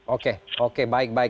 oke oke baik baik